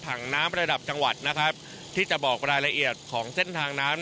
ถังน้ำระดับจังหวัดนะครับที่จะบอกรายละเอียดของเส้นทางน้ำ